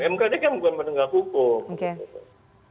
mkd kan bukan penegak hukum